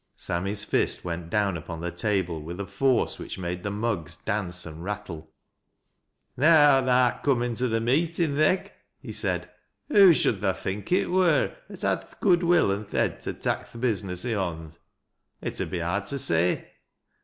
Sammy's fist went down upon the table with a forco which made the mugs dance and rattle. "Now tha'rt comin' to the meat i' th' egg," he said. "Who should tha think it wur 'at had th' good will an th' head to tak' th' business i' hond ?"" It ud be hard to say."